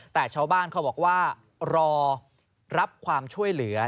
แต่ชาวบ้านเขาบอกว่ารอรับความช่วยเหลือ